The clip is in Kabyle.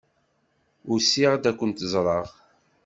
Usiɣ-d ad kent-ẓreɣ.